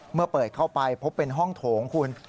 เมื่อเปิดเข้าไปพบเป็นห้องโถงคุณ